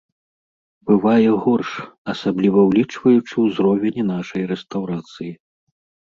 Бывае горш, асабліва ўлічваючы ўзровень нашай рэстаўрацыі.